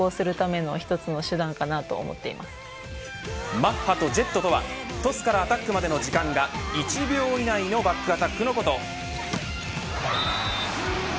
マッハとジェットとはトスからアタックまでの時間が１秒以内のバックアタックのこと。